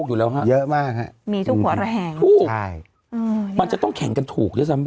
อู้วมันจะต้องแข่งกันถูกด้วยซ้ำป่ะ